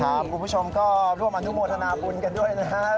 คุณผู้ชมก็ร่วมอนุโมทนาบุญกันด้วยนะครับ